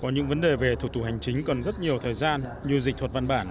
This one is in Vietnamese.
có những vấn đề về thủ tủ hành chính cần rất nhiều thời gian như dịch thuật văn bản